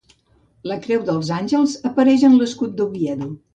La Creu dels Àngels apareix en l'escut d'Oviedo.